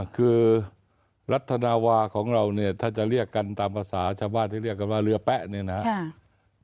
คือรัฐนาวาของเราเนี่ยถ้าจะเรียกกันตามภาษาชาวบ้านที่เรียกกันว่าเรือแป๊ะเนี่ยนะครับ